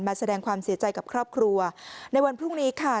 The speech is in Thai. แสดงความเสียใจกับครอบครัวในวันพรุ่งนี้ค่ะ